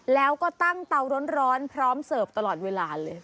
แล้วก็ตั้งเตาร้อนพร้อมเสิร์ฟตลอดเวลาเลย